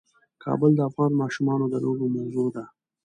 کابل د افغان ماشومانو د لوبو موضوع ده.